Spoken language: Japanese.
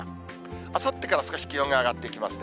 あさってから少し気温が上がっていきますね。